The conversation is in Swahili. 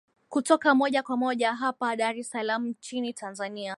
kutoka moja kwa moja hapa dar es salam nchini tanzania